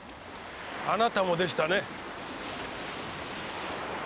あなたもでしたね。